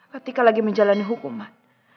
ketika lagi menjalani hukuman